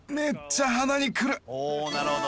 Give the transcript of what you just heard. おおなるほど。